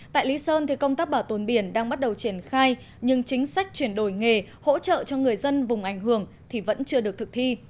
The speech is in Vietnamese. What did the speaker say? tại lý sơn thì công tác bảo tồn biển đang bắt đầu triển khai nhưng chính sách chuyển đổi nghề hỗ trợ cho người dân vùng ảnh hưởng thì vẫn chưa được thực thi